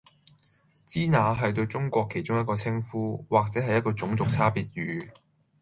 支那，係對中國其中一個稱呼，或係一個種族差別語